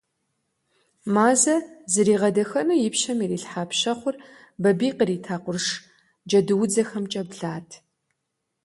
Мазэ зригъэдэхэну и пщэм ирилъхьа пщэхъур Бабий кърита къурш джэдуудзэхэмкӀэ блат.